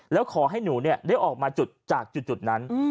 แล้วขอให้หนูได้ออกมาจุดจากจุดนั้น